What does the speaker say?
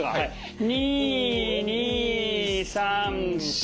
２２３４。